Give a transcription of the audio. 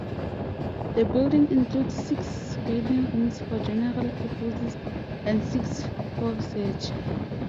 The building includes six reading rooms for general purposes and six for research.